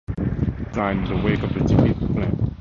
Jocelyn resigned in the wake of the defeated plan.